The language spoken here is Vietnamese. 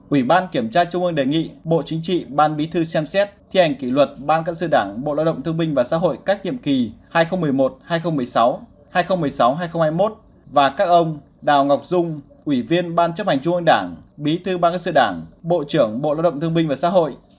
ủy ban kiểm tra trung ương đề nghị bộ chính trị ban bí thư xem xét thi hành kỷ luật ban cán sự đảng bộ lao động thương minh và xã hội các nhiệm kỳ hai nghìn một mươi một hai nghìn một mươi sáu hai nghìn một mươi sáu hai nghìn hai mươi một và các ông đào ngọc dung ủy viên ban chấp hành trung ương đảng bí thư ban cán sự đảng bộ trưởng bộ lao động thương minh và xã hội